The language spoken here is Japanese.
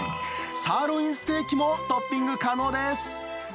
サーロインステーキもトッピング可能です。